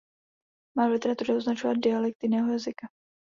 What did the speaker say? Má v literatuře označovat dialekt jiného jazyka.